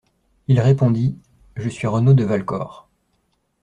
Il répondit : —«Je suis Renaud de Valcor.